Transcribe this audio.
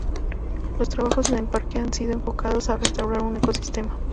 Los trabajos en el parque han sido enfocados a restaurar un ecosistema.